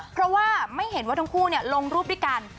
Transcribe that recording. เพราะว่าไม่เห็นว่าทั้งคู่ลงรูปด้วยกัน